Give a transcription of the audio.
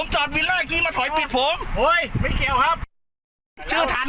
ชื่อทัน